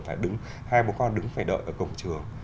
ví dụ như là hai bố con đứng phải đợi ở cổng trường